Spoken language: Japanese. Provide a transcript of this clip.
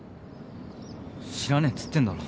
知らねえっつってんだろ。